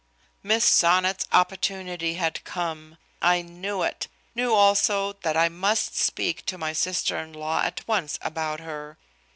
Miss Sonnet's opportunity had come! I knew it, knew also that I must speak to my sister in law at once about her.